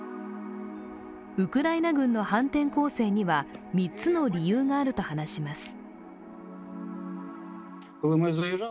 ウクライナ軍の反転攻勢には３つの理由があると話します。